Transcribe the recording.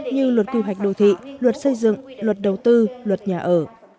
như luật kỳ hoạch đồ thị luật xây dựng luật đầu tư luật nhà ở